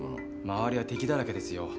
周りは敵だらけですよ。